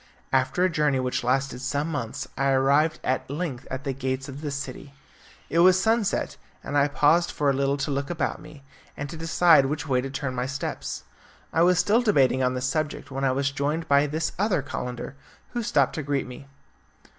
After a journey which lasted some months I arrived at length at the gates of this city. It was sunset, and I paused for a little to look about me, and to decide which way to turn my steps. I was still debating on this subject when I was joined by this other calender, who stopped to greet me.